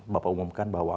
bapak umumkan bahwa